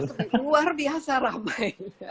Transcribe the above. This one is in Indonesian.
wah cfd luar biasa ramai